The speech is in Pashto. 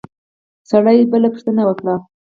سړي بله پوښتنه وکړه.